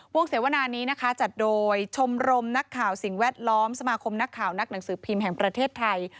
เสวนานี้นะคะจัดโดยชมรมนักข่าวสิ่งแวดล้อมสมาคมนักข่าวนักหนังสือพิมพ์แห่งประเทศไทย